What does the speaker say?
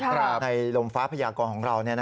กระดาบในลมฟ้าพญากอนของเรา